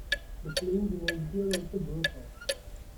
The plane's nose gear also broke off.